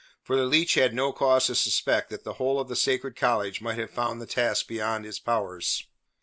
For the leech had no cause to suspect that the whole of the Sacred College might have found the task beyond its powers.